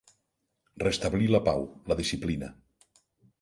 Restablir la pau, la disciplina.